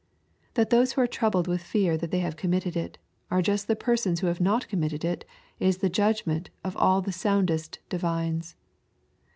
That those who are troubled with fear that they have committed it, are just the persons who have not committed it, ia the judgment of all the soundest divines.